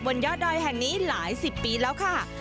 ยอดดอยแห่งนี้หลายสิบปีแล้วค่ะ